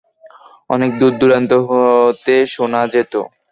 অনেক দূর-দূরান্ত হতে শোনা যেত।